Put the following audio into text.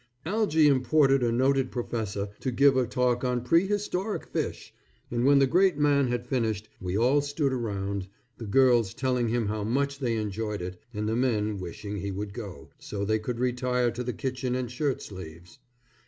Algy imported a noted Professor to give a talk on Prehistoric Fish, and when the great man had finished, we all stood around, the girls telling him how much they enjoyed it, and the men wishing he would go, so they could retire to the kitchen and shirt sleeves.